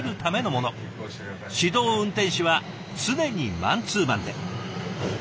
指導運転士は常にマンツーマンで。